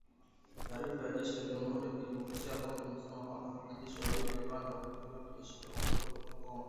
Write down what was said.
Taarifa ya jeshi la Jamuhuri ya kidemokrasia ya kongo imesema kwamba wanajeshi wawili wa Rwanda wamekamatwa na jeshi la jamuhuri ya kidemokrasia ya Kongo